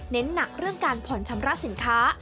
หนักเรื่องการผ่อนชำระสินค้า